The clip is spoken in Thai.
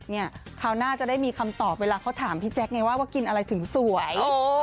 คราวหน้าจะได้มีคำตอบเวลาเขาถามพี่แจ๊คไงว่าว่ากินอะไรถึงสวย